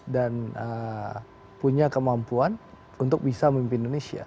dan punya kemampuan untuk bisa memimpin indonesia